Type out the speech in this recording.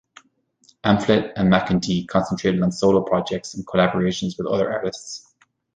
Amphlett and McEntee concentrated on solo projects and collaborations with other artists.